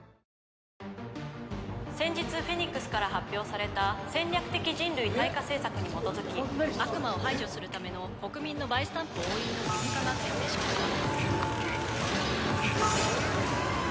「先日フェニックスから発表された戦略的人類退化政策に基づき悪魔を排除するための国民のバイスタンプ押印の義務化が決定しました」